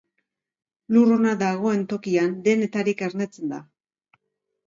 Lur ona dagoen tokian, denetarik ernetzen da.